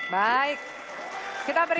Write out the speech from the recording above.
baik kita beri tepat tangan ya